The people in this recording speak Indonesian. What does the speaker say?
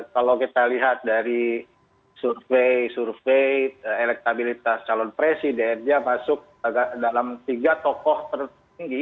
kalau kita lihat dari survei survei elektabilitas calon presiden dia masuk dalam tiga tokoh tertinggi